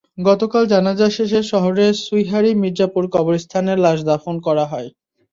গতকাল জানাজা শেষে শহরের সুইহারী মির্জাপুর কবরস্থানে লাশ দাফন করা হয়।